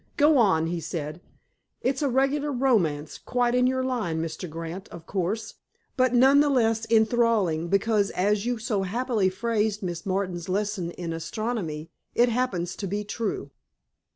"Go on!" he said. "It's a regular romance—quite in your line, Mr. Grant, of course, but none the less enthralling because, as you so happily phrased Miss Martin's lesson in astronomy, it happens to be true."